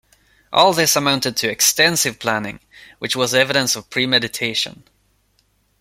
All this amounted to extensive planning, which was evidence of premeditation.